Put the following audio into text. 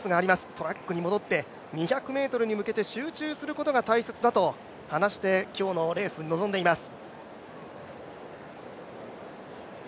トラックに戻って２００ｍに向けて集中することが大切だと話して今日のレースに臨んでいます。